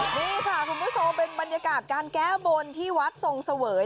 นี่ค่ะคุณผู้ชมเป็นบรรยากาศการแก้บนที่วัดทรงเสวย